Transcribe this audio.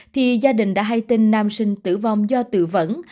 thì gia đình đã hay tên nam sinh tử vong do tự vẫn